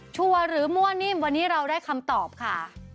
ชัวร์หรือมั่วนิ่มวันนี้เราได้คำตอบค่ะ